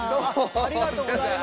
ありがとうございます。